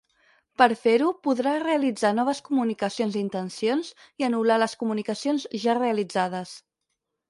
Per fer-ho podrà realitzar noves comunicacions d'intencions i anul·lar les comunicacions ja realitzades.